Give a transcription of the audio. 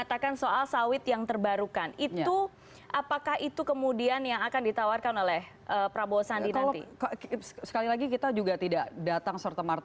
tapi itu kan track record